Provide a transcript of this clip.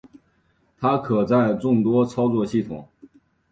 它可在众多操作系统。